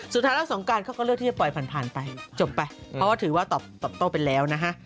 สุดท้ายแล้วสงการเขาก็เลือกที่จะปล่อยผ่านไปจบไปเพราะว่าถือว่าตอบโต้ไปแล้วนะฮะ